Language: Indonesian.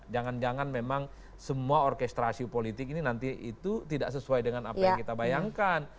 jangan jangan memang semua orkestrasi politik ini nanti itu tidak sesuai dengan apa yang kita bayangkan